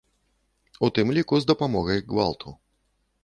У тым ліку з дапамогай гвалту.